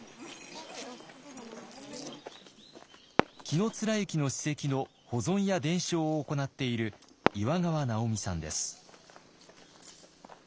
紀貫之の史跡の保存や伝承を行っている岩川直美さんです。